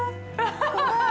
ハハハ